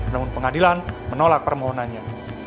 namun pengadilan menolak permohonannya